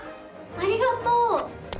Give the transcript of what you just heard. ありがとう！